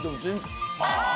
ああ！